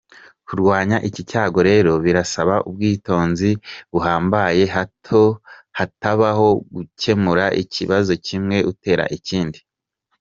Kurwanya iki cyago rero birasaba ubwitonzi buhambaye hato hatabaho gukemura ikibazo kimwe utera ikindi.